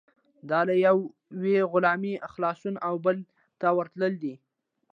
دا له یوې غلامۍ خلاصون او بلې ته ورتلل دي.